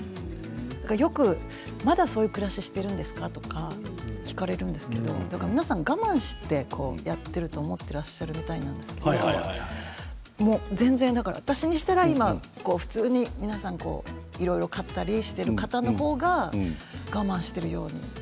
よく、まだそういう暮らしをしているんですか？とか聞かれるんですけど皆さん我慢してやってると思ってらっしゃるみたいなんですけど全然私にしたら今普通に皆さんいろいろ買ったりしている方の方が我慢しているように。